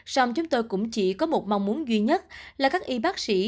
xong chúng tôi cũng chỉ có một mong muốn duy nhất là các y bác sĩ